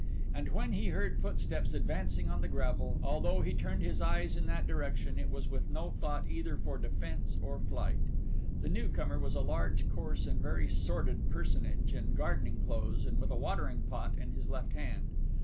And when he heard footsteps advancing on the gravel, although he turned his eyes in that direction, it was with no thought either for defence or flight. The new comer was a large, coarse, and very sordid personage, in gardening clothes, and with a watering pot in his left hand.